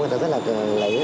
người ta rất là cảm ơn